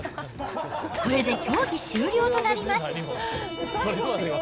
これで競技終了となります。